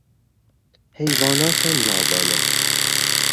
حیوانات نابالغ